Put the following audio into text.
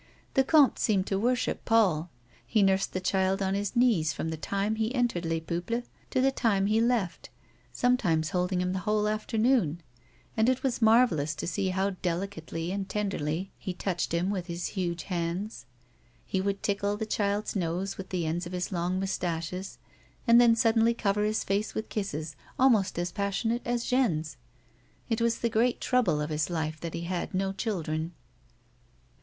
The comte seemed to worship Paul. He nursed the child on his knees from the time he entered Les Peuples to the time he left, some times holding him the whole afternoon, and it was mar vellous to see how delicately and tenderly he touched him with his huge hands. He would tickle the child's nose with the ends of his long moustaches, aud then suddenly cover his face with kisses almost as passionate as Jeanne's. It was the great trouble of his life that he had no children.